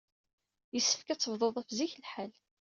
Yessefk ad tebduḍ ɣef zik lḥal.